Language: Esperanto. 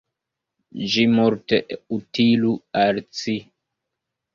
Ĝi multe utilu al ci!